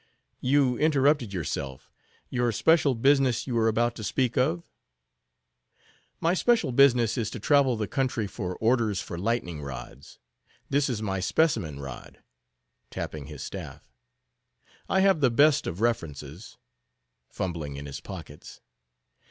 "You interrupted yourself; your special business you were about to speak of." "My special business is to travel the country for orders for lightning rods. This is my specimen rod;" tapping his staff; "I have the best of references"—fumbling in his pockets.